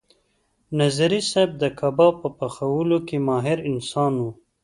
نظري صیب د کباب په پخولو کې ماهر انسان و.